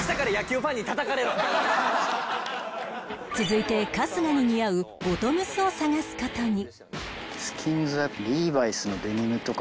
続いて春日に似合うボトムスを探す事に